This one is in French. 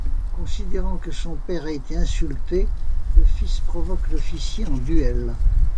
Considérant que son père a été insulté, le fils provoque l’officier en duel.